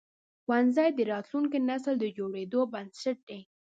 ښوونځي د راتلونکي نسل د جوړېدو بنسټ دي.